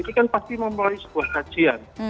ini kan pasti memulai sebuah kajian